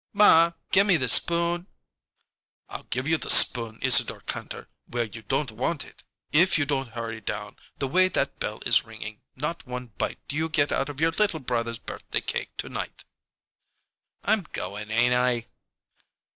"Ma, gimme the spoon?" "I'll give you the spoon, Isadore Kantor, where you don't want it. If you don't hurry down, the way that bell is ringing, not one bite do you get out of your little brother's birthday cake tonight!" "I'm goin', ain't I?"